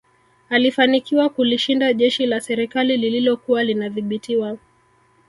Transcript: Alifanikiwa kulishinda jeshi la serikali lililokuwa linadhibitiwa